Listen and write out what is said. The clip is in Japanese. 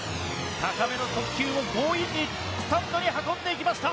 高めの速球を強引にスタンドに運んでいきました。